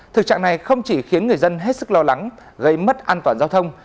thực trạng này không chỉ khiến người dân hết sức lo lắng gây mất an toàn giao thông